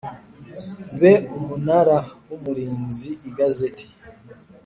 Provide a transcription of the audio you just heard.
be Umunara w Umurinzi Igazeti